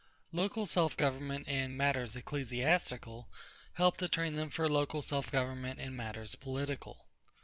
Local self government in matters ecclesiastical helped to train them for local self government in matters political.